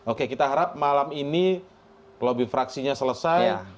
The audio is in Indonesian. oke kita harap malam ini lobby fraksinya selesai